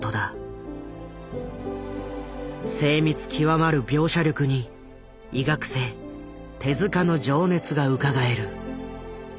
精密極まる描写力に医学生手の情熱がうかがえる。